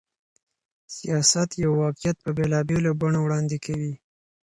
سياست يو واقعيت په بېلابېلو بڼو وړاندې کوي.